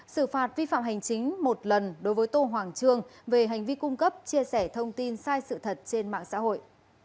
xử phạt vi phạm hành chính một lần đối với tô hoàng trương về hành vi cung cấp chia sẻ thông tin sai sự thật trên mạng xã hội